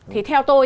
thì theo tôi